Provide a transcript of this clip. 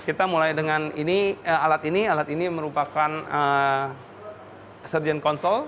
kita mulai dengan alat ini alat ini merupakan surgeon console